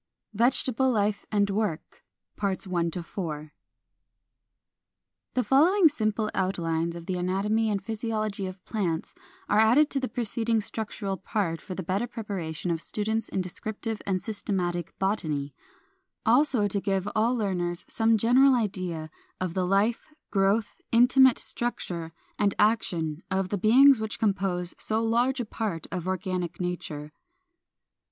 VEGETABLE LIFE AND WORK. 393. The following simple outlines of the anatomy and physiology of plants (3) are added to the preceding structural part for the better preparation of students in descriptive and systematic botany; also to give to all learners some general idea of the life, growth, intimate structure, and action of the beings which compose so large a part of organic nature.